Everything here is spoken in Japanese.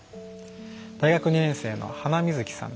大学２年生のハナミズキさんです。